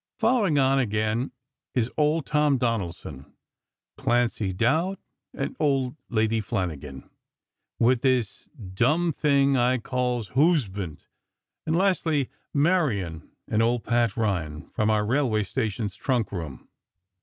Following on, again, is Old Tom Donaldson, Clancy Dowd, and Old Lady Flanagan, with "this dom thing I calls hoosband!" And lastly, Marian and old Pat Ryan from our railway station's trunk room.